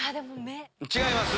違います。